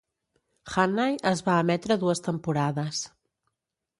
"Hannay" es va emetre dues temporades.